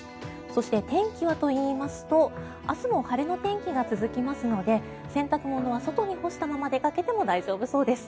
そして天気はといいますと明日も晴れの天気が続きますので洗濯物は外に干したまま出かけても大丈夫そうです。